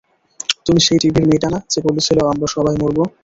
তুমি সেই টিভির মেয়েটা না যে বলেছিল আমরা সবাই মরব?